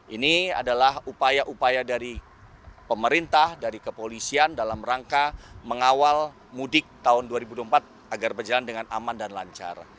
ini adalah upaya upaya dari pemerintah dari kepolisian dalam rangka mengawal mudik tahun dua ribu dua puluh empat agar berjalan dengan aman dan lancar